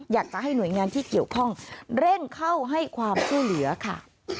อยากจะให้หน่วยงานที่เกี่ยวข้องเร่งเข้าให้ความช่วยเหลือค่ะ